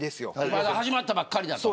まだ始まったばっかりだから。